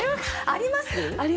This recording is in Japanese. あります！